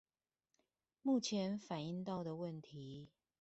目前反應到的問題